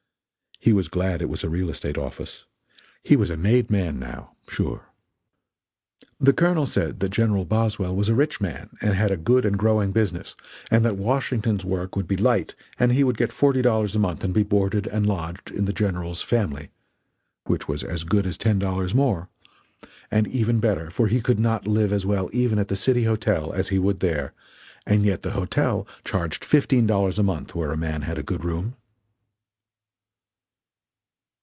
He was glad it was a real estate office he was a made man now, sure. The Colonel said that General Boswell was a rich man and had a good and growing business; and that Washington's work would be light and he would get forty dollars a month and be boarded and lodged in the General's family which was as good as ten dollars more; and even better, for he could not live as well even at the "City Hotel" as he would there, and yet the hotel charged fifteen dollars a month where a man had a good room.